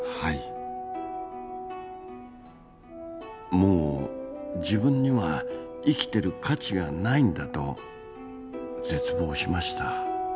もう自分には生きてる価値がないんだと絶望しました。